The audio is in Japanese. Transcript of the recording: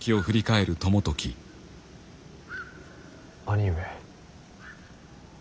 兄上。